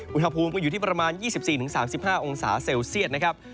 อุณหภูมิก็อยู่ที่ประมาณ๒๔๓๕องศาเซลเซียตนะครับ